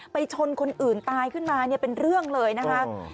ไปชนคนอื่นตายขึ้นมาเป็นเรื่องเลยนะครับ